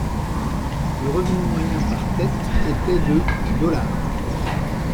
Le revenu moyen par tête était de $.